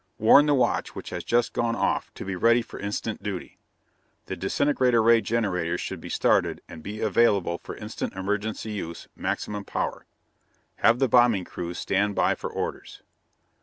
Warn the watch which has just gone off to be ready for instant duty. The disintegrator ray generators should be started and be available for instant emergency use, maximum power. Have the bombing crews stand by for orders."